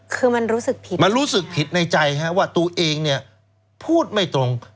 คือมันรู้สึกผิดมันรู้สึกผิดในใจว่าตัวเองเนี่ยพูดไม่ตรง